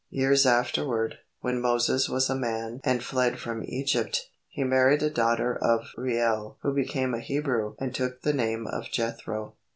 Years afterward, when Moses was a man and fled from Egypt, he married a daughter of Reuel who became a Hebrew and took the name of Jethro.